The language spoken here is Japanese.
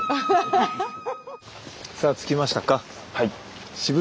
さあ着きましたか。